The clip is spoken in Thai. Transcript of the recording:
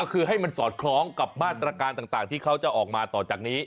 ก็คือให้มันสอดคล้องกับมาตรการต่างที่เขาจะออกมาต่อจากนี้